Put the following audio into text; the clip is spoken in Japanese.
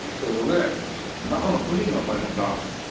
中のプリンがうまいもんな。